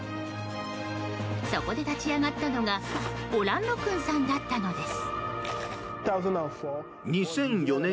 そこで立ち上がったのがオランロクンさんだったのです。